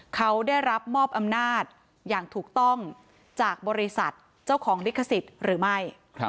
เขาได้รับมอบอำนาจอย่างถูกต้องจากบริษัทเจ้าของลิขสิทธิ์หรือไม่